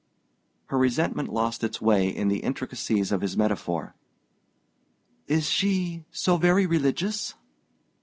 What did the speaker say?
Her resentment lost its way in the intricacies of his metaphor. "Is she so very religious?"